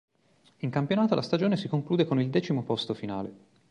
In campionato la stagione si conclude con il decimo posto finale.